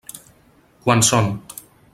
Quants són?